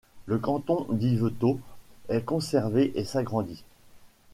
Le canton d'Yvetot est conservé et s'agrandit.